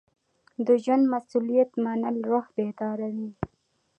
د ژوند مسؤلیت منل روح بیداروي.